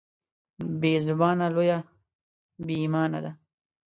بېزباني لويه بېايماني ده.